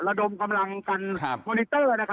ระดมกำลังกันมอนิเตอร์